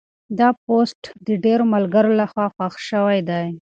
دا پوسټ د ډېرو ملګرو لخوا خوښ شوی دی.